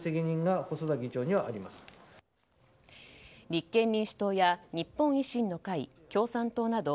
立憲民主党や日本維新の会共産党など